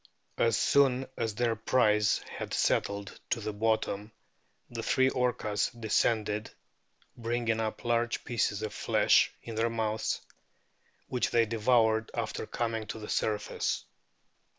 As soon as their prize had settled to the bottom the three Orcas descended, bringing up large pieces of flesh in their mouths, which they devoured after coming to the surface."